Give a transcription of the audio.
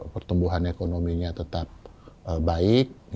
pertumbuhan ekonominya tetap baik